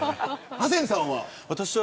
ハセンさんは。